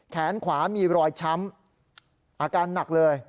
แขนขวามีรอยช้ำอาการหนักเลย